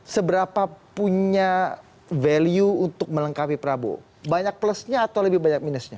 seberapa punya value untuk melengkapi prabowo banyak plusnya atau lebih banyak minusnya